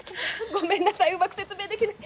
ごめんなさいうまく説明できない。